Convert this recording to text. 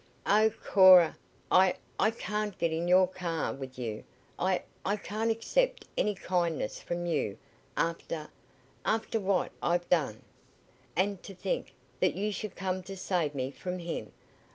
"Oh; Cora! I I can't get in your car with you I I can't accept any kindness from you after after what I've done. And to think that you should come to save me from him!